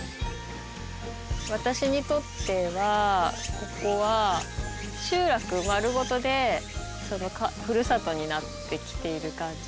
私にとってはここは集落丸ごとでふるさとになってきている感じ。